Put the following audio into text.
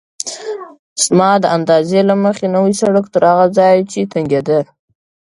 زما د اندازې له مخې نوی سړک تر هغه ځایه چې تنګېده.